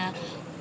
salah anak gue